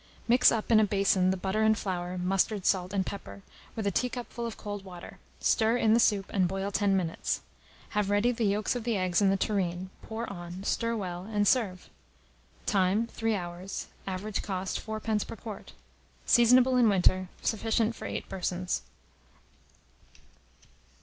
Mix up in a basin the butter and flour, mustard, salt, and pepper, with a teacupful of cold water; stir in the soup, and boil 10 minutes. Have ready the yolks of the eggs in the tureen; pour on, stir well, and serve. Time. 3 hours. Average cost, 4d. per quart. Seasonable in winter. Sufficient for 8 persons.